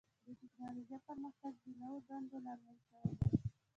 د ټکنالوجۍ پرمختګ د نوو دندو لامل شوی دی.